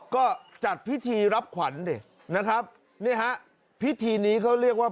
ก็จัดพิธีรับขวัญดินะครับนี่ฮะพิธีนี้เขาเรียกว่า